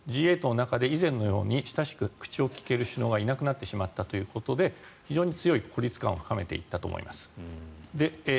Ｇ８の中で以前のように親しく口を利ける首脳がいなくなってしまったということで非常に強い孤立感を深めていったと思います。